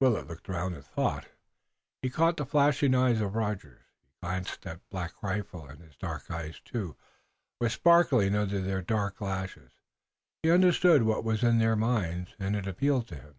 Willet looked around in thought, and he caught the flashing eyes of Rogers. He glanced at Black Rifle and his dark eyes, too, were sparkling under their dark lashes. He understood what was in their minds, and it appealed to him.